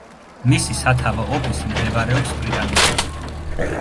მისი სათავო ოფისი მდებარეობს ბრიტანეთში.